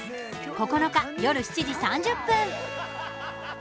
９日、夜７時３０分。